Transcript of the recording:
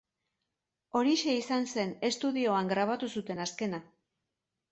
Horixe izan zen estudioan grabatu zuten azkena.